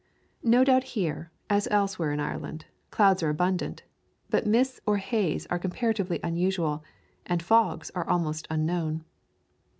No doubt here, as elsewhere in Ireland, clouds are abundant, but mists or haze are comparatively unusual, and fogs are almost unknown.